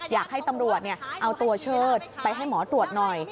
อยากให้ตำรวจเอาตัวเชิดไปให้หมอตรวจหน่อย